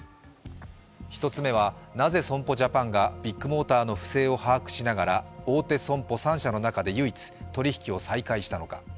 １つ目は、なぜ損保ジャパンがビッグモーターの不正を把握しながら大手損保３社の中で唯一、取引を再開したのか。